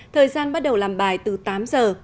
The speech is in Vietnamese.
thời gian bắt đầu làm bài từ tám giờ